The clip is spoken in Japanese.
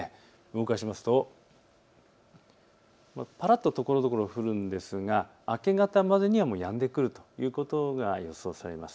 動かしますとこのあとところどころ降るんですが明け方までにはやんでくるということが予想されます。